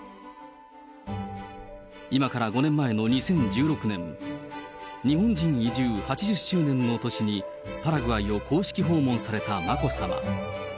今から５年前の２０１６年、日本人移住８０周年の年に、パラグアイを公式訪問された眞子さま。